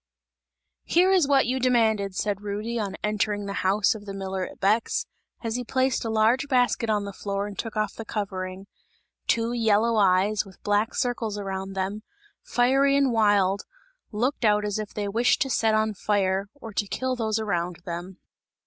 "Here is what you demanded!" said Rudy, on entering the house of the miller at Bex, as he placed a large basket on the floor and took off the covering. Two yellow eyes, with black circles around them, fiery and wild, looked out as if they wished to set on fire, or to kill those around them.